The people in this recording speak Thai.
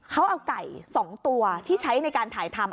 เขาเอาไก่๒ตัวที่ใช้ในการถ่ายทำ